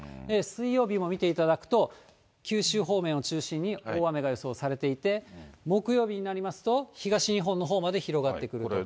水曜日も見ていただくと、九州方面を中心に大雨が予想されていて、木曜日になりますと、東日本のほうまで広がってくると。